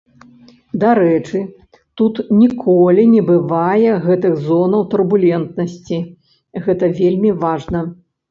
Дарэчы, тут ніколі не бывае гэтых зонаў турбулентнасці, гэта вельмі важна.